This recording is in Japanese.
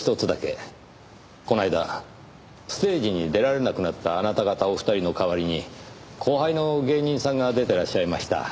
この間ステージに出られなくなったあなた方お二人の代わりに後輩の芸人さんが出てらっしゃいました。